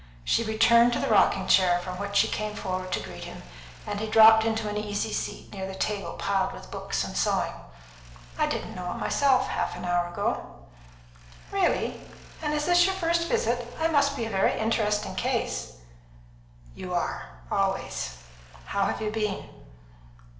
She returned to the rocking chair, from which she came forward to greet him, and he dropped into an easy seat near the table piled with books and sewing. "I didn't know it myself half an hour ago." "Really? And is this your first visit? I must be a very interesting case." "You are always. How have you been?"